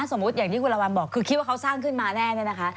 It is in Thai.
สมมุติอย่างที่คุณละวันบอกคือคิดว่าเขาสร้างขึ้นมาแน่เนี่ยนะคะ